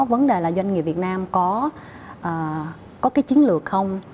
vấn đề là doanh nghiệp việt nam có cái chiến lược không